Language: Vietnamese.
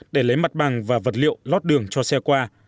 để lấy mặt bằng và vật liệu lót đường cho xe qua